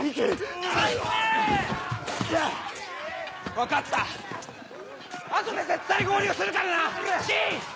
分かった後で絶対合流するからな信！